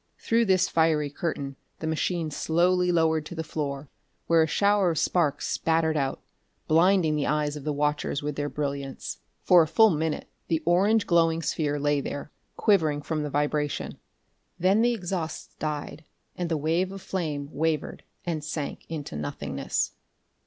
Through this fiery curtain the machine slowly lowered to the floor, where a shower of sparks spattered out, blinding the eyes of the watchers with their brilliance. For a full minute the orange glowing sphere lay there, quivering from the vibration; then the exhausts died and the wave of flame wavered and sank into nothingness.